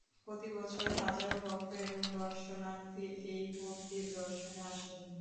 প্রতিবছর হাজারো ভক্ত এবং দর্শনার্থী এই মন্দির দর্শনে আসেন।